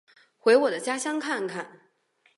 回我的家乡看看